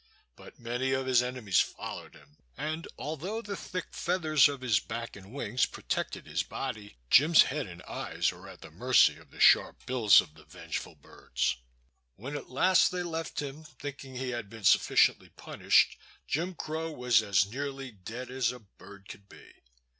But many of his enemies followed him, and although the thick feathers of his back and wings protected his body, Jim's head and eyes were at the mercy of the sharp bills of the vengeful birds. When at last they left him, thinking he had been sufficiently punished, Jim Crow was as nearly dead as a bird could be.